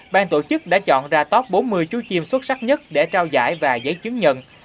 ban tổ chức đã chọn ra top bốn mươi chú chiêm xuất sắc nhất để trao giải và giấy chứng nhận